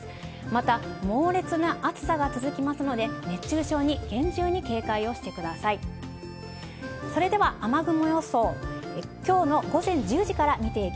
また、猛烈な暑さが続きますので、熱中症に厳重に警戒をしてください。